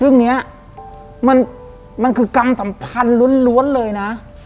เรื่องนี้มันคือกรรมสัมพันธ์ล้วนเลยนะ